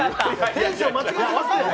テンション間違えてますよ。